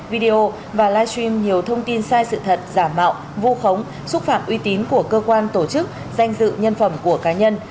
video và live stream nhiều thông tin sai sự thật giả mạo vu khống xúc phạm uy tín của cơ quan tổ chức danh dự nhân phẩm của cá nhân